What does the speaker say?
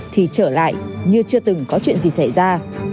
thì trở lại như chưa từng có chuyện gì xảy ra